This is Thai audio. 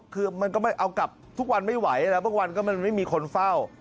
คือมันก็ไม่เอากลับทุกวันไม่ไหวแล้วบางวันก็มันไม่มีคนเฝ้า